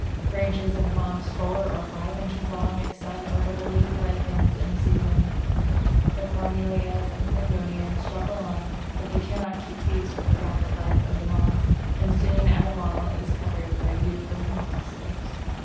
Branches of moss four or five inches long extend over the leafy lichens in a season. The Parmelias and Cladonias struggle on, but they cannot keep pace with the rapid life of the moss, and soon our wall is covered by beautiful moss turfs.